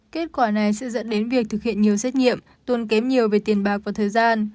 kết quả này sẽ dẫn đến việc thực hiện nhiều xét nghiệm tốn kém nhiều về tiền bạc và thời gian